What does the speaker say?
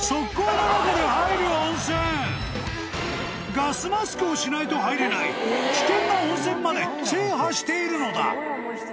［ガスマスクをしないと入れない危険な温泉まで制覇しているのだ］